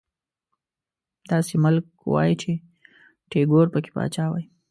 داسې ملک وای چې ټيګور پکې پاچا وای